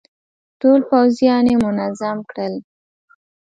ټول پوځيان يې منظم کړل.